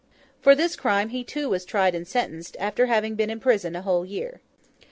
For this crime he too was tried and sentenced, after having been in prison a whole year.